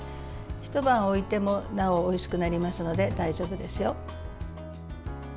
ひと晩置いてもなおおいしくなりますので大丈夫ですよ。